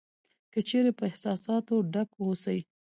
که چېرې په احساساتو ډک اوسې .